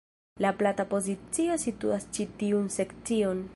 La plata pozicio situas ĉi tiun sekcion.